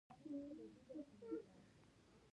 فرهنګي یرغل ځوانان بې لارې کوي.